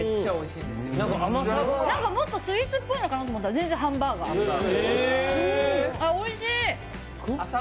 もっとスイーツっぽいのかなと思ったら、全然ハンバーガー。あっ、おいしい！